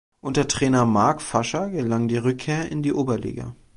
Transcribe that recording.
Unter Trainer Marc Fascher gelang die Rückkehr in die Oberliga.